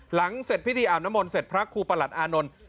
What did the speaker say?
หลังเสร็จพิธีอาบน้ำมนต์เสร็จพระครูประหลัดอานนท์